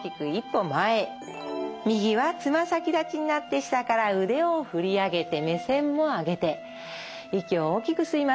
右はつま先立ちになって下から腕を振り上げて目線も上げて息を大きく吸います。